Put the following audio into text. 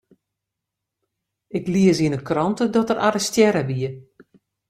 Ik lies yn 'e krante dat er arrestearre wie.